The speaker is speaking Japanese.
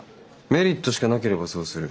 メリットしかなければそうする。